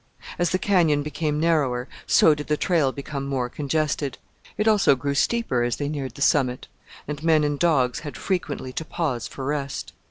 As the canyon became narrower, so did the trail become more congested. It also grew steeper as they neared the summit, and men and dogs had frequently to pause for rest.